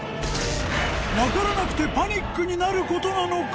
分からなくてパニックになることなのか？